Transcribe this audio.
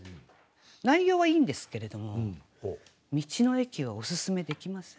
内容はいいんですけれども「道の駅」はおすすめできません。